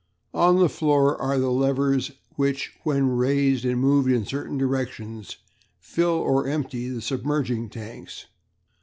On the floor are the levers which, when raised and moved in certain directions, fill or empty the submerging tanks.